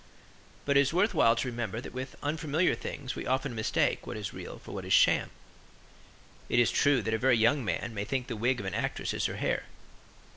But it is worth while to remember that with unfamiliar things we often mistake what is real for what is sham. It is true that a very young man may think the wig of an actress is her hair.